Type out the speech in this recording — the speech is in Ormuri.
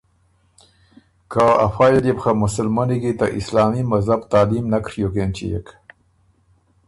که افئ ال يې بو خه مسلمنی کی ته اسلامی مذهب تعلیم نک ڒیوک اېنچيېک